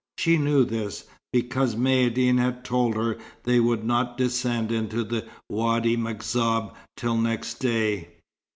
She knew this, because Maïeddine had told her they would not descend into the Wady M'Zab till next day.